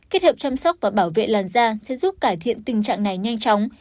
kết hợp chăm sóc và bảo vệ làn da sẽ giúp cải thiện tình trạng này nhanh chóng